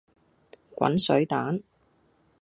滾水蛋